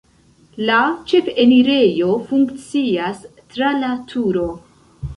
La ĉefenirejo funkcias tra la turo.